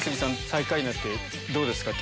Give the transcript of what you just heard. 最下位になってどうですか？